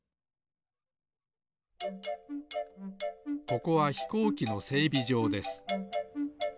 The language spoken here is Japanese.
ここはひこうきのせいびじょうです。